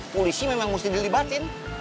polisi memang mesti dilibatin